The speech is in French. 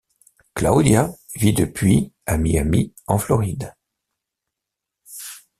Claudia vit depuis à Miami, en Floride.